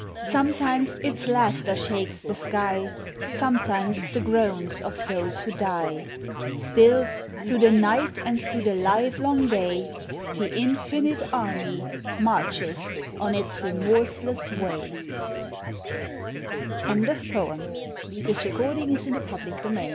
Sometimes its laughter shakos the sky. Sometimes the groans of those who die. Still through the night and through the livelong day The infinite army marches on its remorseless wa\ RICHARD WATSON GILDER. COME TO THESE SCENES